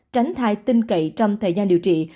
tránh thai tinh cậy trong thời gian điều trị